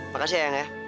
makasih eyang ya